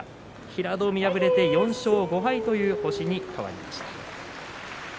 平戸海、敗れて４勝５敗という星に変わりました。